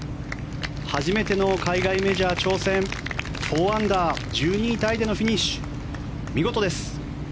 初めての海外メジャー挑戦４アンダー１２位タイでのフィニッシュ見事です。